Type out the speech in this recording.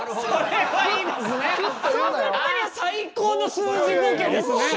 あ最高の数字ボケですね。